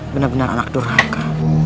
benar benar anak durhaka